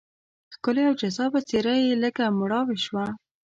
ښکلې او جذابه څېره یې لږه مړاوې شوه.